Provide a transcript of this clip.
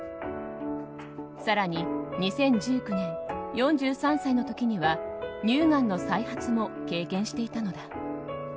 更に、２０１９年４３歳の時には乳がんの再発も経験していたのだ。